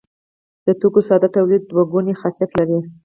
د توکو ساده تولید دوه ګونی خاصیت لري.